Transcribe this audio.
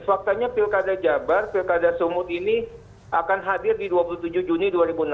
faktanya pilkada jabar pilkada sumut ini akan hadir di dua puluh tujuh juni dua ribu enam belas